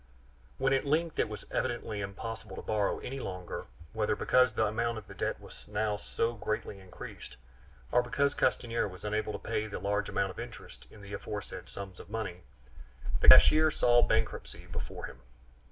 When at length it was evidently impossible to borrow any longer, whether because the amount of the debt was now so greatly increased, or because Castanier was unable to pay the large amount of interest on the aforesaid sums of money, the cashier saw bankruptcy before him.